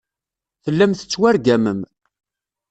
Tellam tettwargamem.